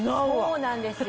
そうなんですよ。